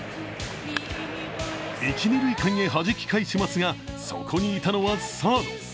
一・二塁間へはじき返しますがそこにいたのはサード。